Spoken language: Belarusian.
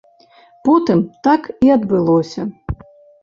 Потым так і адбылося.